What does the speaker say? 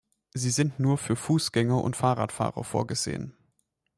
Sie sind nur für Fußgänger und Fahrradfahrer vorgesehen.